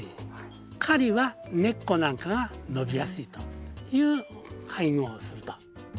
カリは根っこなんかが伸びやすいという配合をすると。